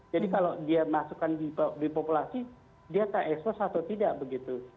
jadi kalau dia masukkan di populasi dia terexpose atau tidak begitu